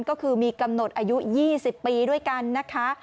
ก็คือมีกำหนดอายุ๒๐ปีด้วยกันนะคะ